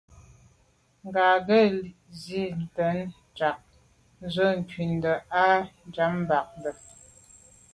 Ŋgá á gə́ jí zǎ tɛ̌n ják ndzwə́ ncúndá â ŋgàbándá.